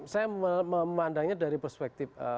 saya memandangnya dari perspektif